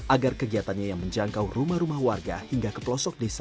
agar kegiatannya yang menjangkau rumah rumah warga hingga ke pelosok desa